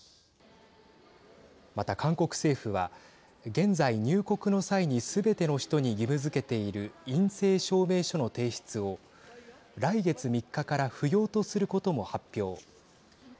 また、韓国政府は現在、入国の際にすべての人に義務づけている陰性証明書の提出を来月３日から不要とすることも発表。